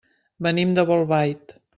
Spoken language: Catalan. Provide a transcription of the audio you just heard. Venim de Bolbait.